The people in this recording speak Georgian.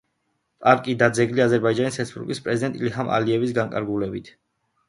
პარკი და ძეგლი აზერბაიჯანის რესპუბლიკის პრეზიდენტის ილჰამ ალიევის განკარგულებით შეიქმნა.